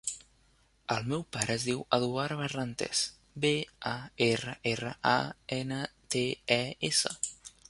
El meu pare es diu Eduard Barrantes: be, a, erra, erra, a, ena, te, e, essa.